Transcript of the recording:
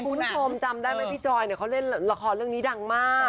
คุณผู้ชมจำได้ไหมพี่จอยเขาเล่นละครเรื่องนี้ดังมาก